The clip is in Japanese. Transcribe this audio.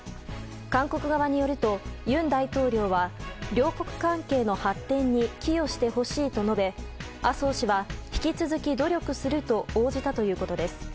韓国側によると尹大統領は両国関係の発展に寄与してほしいと述べ麻生氏は引き続き努力すると応じたということです。